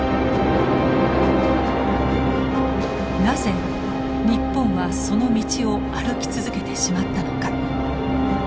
なぜ日本はその道を歩き続けてしまったのか。